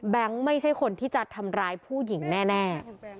ไม่ใช่คนที่จะทำร้ายผู้หญิงแน่